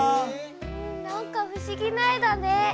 何か不思議な絵だね。